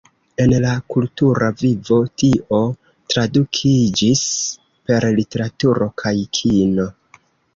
En la kultura vivo, tio tradukiĝis per literaturo kaj kino.